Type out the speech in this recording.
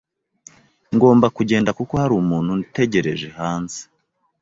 Ngomba kugenda kuko hari umuntu utegereje hanze.